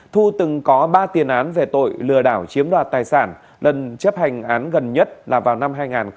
thu từng có ba tiền án về tội lừa đảo chiếm đoạt tài sản lần chấp hành án gần nhất là vào năm hai nghìn một mươi